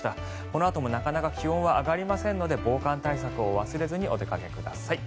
このあともなかなか気温は上がりませんので防寒対策を忘れずにお出かけください。